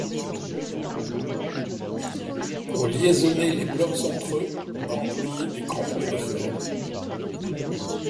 Pour liaisonner les blocs entre eux, on a employé des crampons de fer.